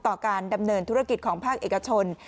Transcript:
การดำเนินธุรกิจของภาคเอกชน